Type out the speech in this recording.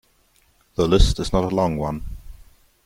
The list is not a long one.